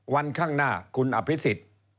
วันข้างหน้าคุณอภิษฎ